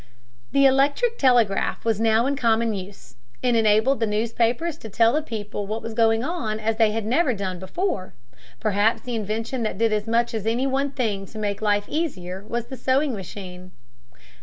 The electric telegraph was now in common use. It enabled the newspapers to tell the people what was going on as they never had done before. Perhaps the invention that did as much as any one thing to make life easier was the sewing machine.